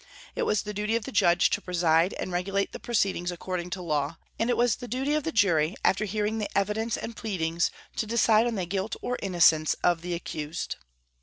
It was the duty of the judge to preside and regulate proceedings according to law; and it was the duty of the jury, after hearing the evidence and pleadings, to decide on the guilt or innocence of the accused.